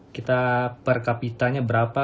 kita per kapitanya berapa